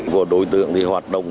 của đối tượng thì hoạt động